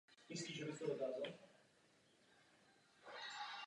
Byl zaznamenán výskyt i na Arabském poloostrově a v Jemenu.